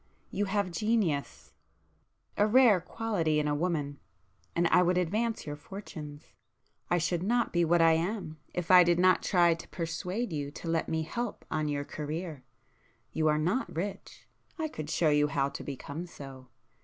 You have genius—a rare quality in a woman,—and I would advance your fortunes. I should not be what I am if I did not try to persuade you to let me help on your career. You are not rich,—I could show you how to become so.